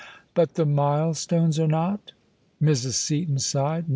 " But the milestones are not." Mrs. Seaton sighed.